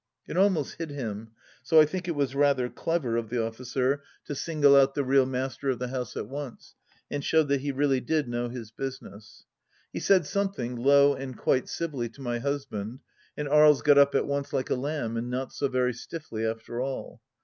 It almost hid hun, so I think it was rather clever of the officer to single 108 THE LAST DITCH out the real master of the house at once and showed that ho really did know his business. He said something, low and quite civilly, to my husband, and Aries got up at once like a lamb, and not so very stiffly, after all.